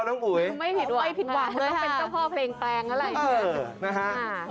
ต้องเป็นเจ้าพ่อเพลงแปลงอะไร